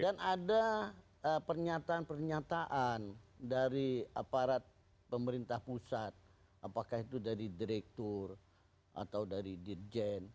dan ada pernyataan pernyataan dari aparat pemerintah pusat apakah itu dari direktur atau dari dirjen